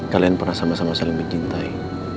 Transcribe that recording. kalian pernah sama sama saling mencintai